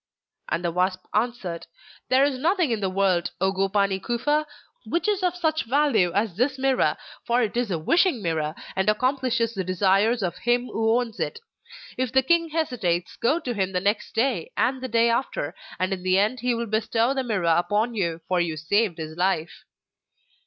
And the wasp answered: 'There is nothing in the world, O Gopani Kufa, which is of such value as this Mirror, for it is a Wishing Mirror, and accomplishes the desires of him who owns it. If the king hesitates, go to him the next day, and the day after, and in the end he will bestow the Mirror upon you, for you saved his life.